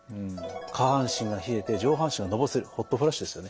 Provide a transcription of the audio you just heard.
下半身が冷えて上半身がのぼせるホットフラッシュですよね。